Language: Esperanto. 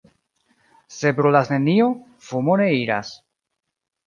Se brulas nenio, fumo ne iras.